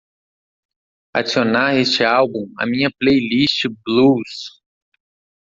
adicionar este álbum à minha playlist Blues